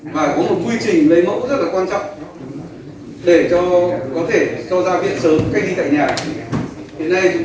và có một quy trình lấy mẫu rất là quan trọng để cho có thể cho ra viện